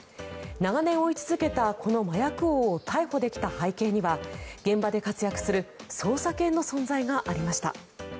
長年追い続けたこの麻薬王を逮捕できた背景には現場で活躍する捜査犬の存在がありました。